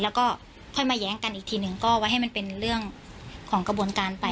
แล้วก็ค่อยมาแย้งกันอีกทีหนึ่งก็ไว้ให้มันเป็นเรื่องของกระบวนการไป